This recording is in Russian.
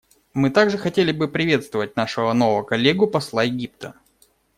Мы также хотели бы приветствовать нашего нового коллегу — посла Египта.